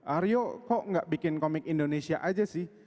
aryo kok nggak bikin komik indonesia aja sih